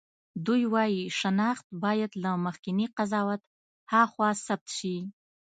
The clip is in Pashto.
دوی وايي شناخت باید له مخکېني قضاوت هاخوا ثبت شي.